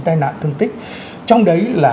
tai nạn thương tích trong đấy là